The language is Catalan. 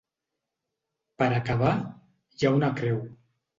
Per acabar, hi ha una creu.